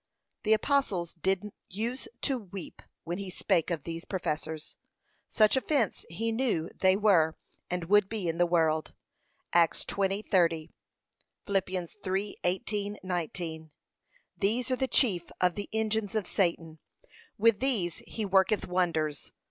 The apostle did use to weep when he spake of these professors, such offence he knew they were and would be in the world. (Acts 20:30; Phil 3:18, 19) These are the chief of the engines of Satan, with these he worketh wonders.